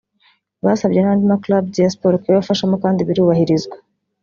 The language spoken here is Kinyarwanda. Basabye n’andi ma clubs ya siporo kubibafashamo kandi birubahirizwa